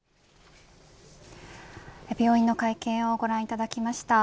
病院の会見をご覧いただきました。